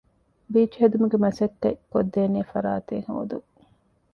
ބީޗްހެދުމުގެ މަސައްކަތް ކޮށްދޭނެ ފަރާތެއް ހޯދުން